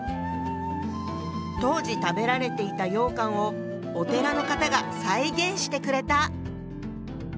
当時食べられていた羊羹をお寺の方が再現してくれた。